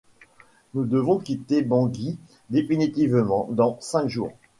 Nous devons quitter Bangui définitivement dans cinq jours.